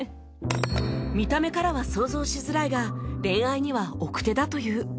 見た目からは想像しづらいが恋愛には奥手だという